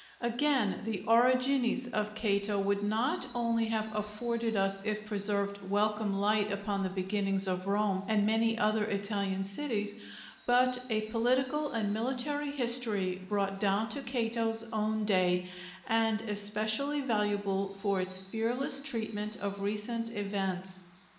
Again, the 'Origines' of Cato would not only have afforded us, if preserved, welcome light upon the beginnings of Rome and many other Italian cities, but a political and military history, brought down to Cato's own day, and especially valuable for its fearless treatment of recent events.